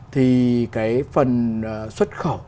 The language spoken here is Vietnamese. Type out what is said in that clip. thì cái phần xuất khẩu